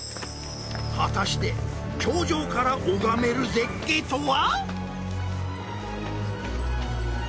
果たして頂上から拝める絶景とは？